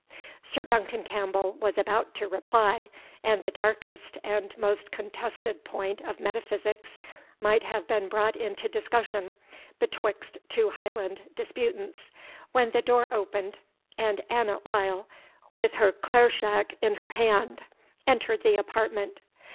Sir Duncan Campbell was about to reply, and the darkest and most contested point of metaphysics might have been brought into discussion betwixt two Highland disputants, when the door opened, and Annot Lyle, with her clairshach in her hand, entered the apartment.